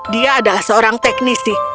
dia adalah seorang teknisi